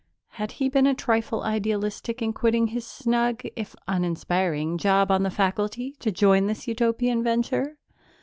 Had he been a trifle idealistic in quitting his snug, if uninspiring, job on the faculty to join in this Utopian venture?